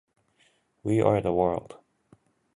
We are the world